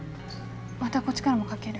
またこっちからもかける。